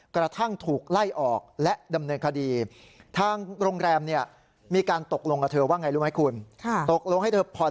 กระทั่งถูกไล่ออกและดำเนินคดี